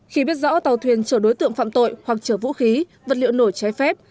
khi biết rõ tàu thuyền chở đối tượng phạm tội hoặc chở vũ khí vật liệu nổ trái phép